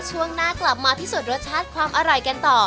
ช่วงหน้ากลับมาพิสูจน์รสชาติความอร่อยกันต่อ